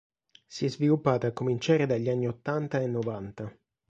Si è sviluppata a cominciare dagli anni ottanta e novanta.